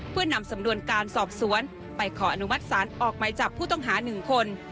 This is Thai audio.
เพื่อนำสำนวนการสอบสวนไปขออนุมัติศาลออกไหมจับผู้ต้องหา๑คน